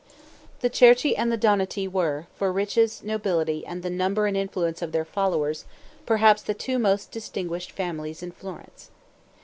The Cerchi and the Donati were, for riches, nobility, and the number and influence of their followers, perhaps the two most distinguished families in Florence.